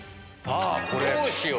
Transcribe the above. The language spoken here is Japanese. どうしよう？